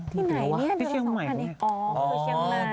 ที่ไหนเนี่ยเดือนละ๒๐๐๐บาท